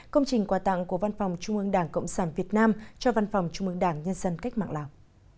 công trình quà tặng của văn phòng trung ương đảng cộng sản việt nam cho văn phòng trung ương đảng nhân dân cách mạng lào